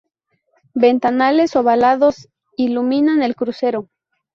Ventanales ovalados iluminan el crucero.